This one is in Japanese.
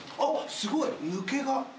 すごい。抜けが。